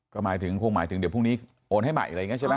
ก็หมายถึงคงหมายถึงเดี๋ยวพรุ่งนี้โอนให้ใหม่อะไรอย่างนี้ใช่ไหม